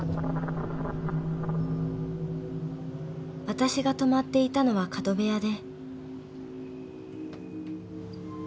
［私が泊まっていたのは角部屋で］